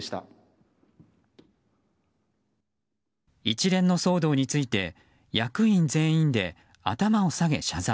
一連の騒動について役員全員で頭を下げ謝罪。